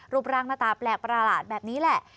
รูปร่างหน้าตาแปลกประหลาดแบบนี้แหละ